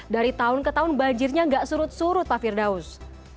dari tahun ke tahun banjirnya nggak surut surut pak firdaus